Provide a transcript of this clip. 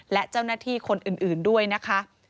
และเจ้าหน้าที่คนอื่นด้วยนะคะ